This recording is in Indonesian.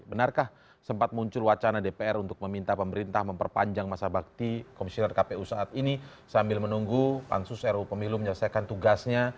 benarkah sempat muncul wacana dpr untuk meminta pemerintah memperpanjang masa bakti komisioner kpu saat ini sambil menunggu pansus ru pemilu menyelesaikan tugasnya